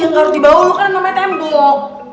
iya gak harus dibawah lo kan namanya tembok